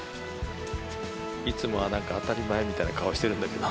いつもは当たり前みたいな顔してるんだけど。